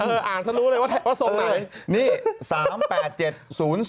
เพราะอ่าลมันรู้เลยว่าทะวันที่๒มาไหน